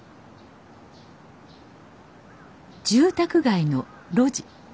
住宅街の路地。